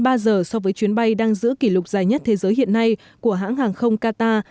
hơn ba giờ so với chuyến bay đang giữ kỷ lục dài nhất thế giới hiện nay của hãng hàng không qatar